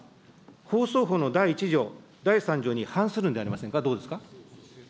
放送法の第１条、第３条に反するんじゃありませんか、どうですか。